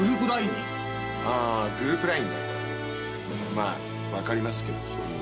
まあ分かりますけどそういうのもね。